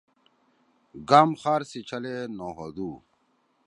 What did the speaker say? گام خار سی چھلے نوہودُو۔